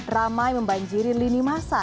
ramai membanjiri lini masa